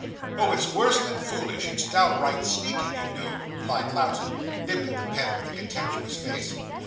'Oh, it's worse than foolish; it's downright sneaking, you know,' replied Lowten, nibbing the pen with a contemptuous face.